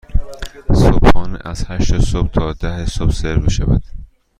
صبحانه از هشت صبح تا ده صبح سرو می شود.